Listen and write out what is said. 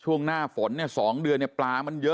ช่วงหน้าฝนเนี่ย๒เดือนเนี่ยปลามันเยอะ